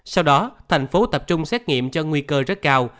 sau đó thành phố tập trung xét nghiệm cho nguy cơ rất cao